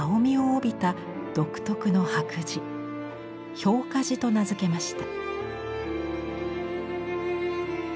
「氷華磁」と名付けました。